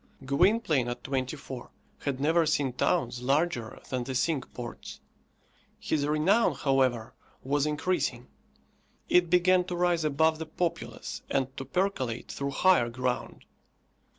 Gwynplaine at twenty four had never seen towns larger than the Cinque Ports. His renown, however, was increasing. It began to rise above the populace, and to percolate through higher ground.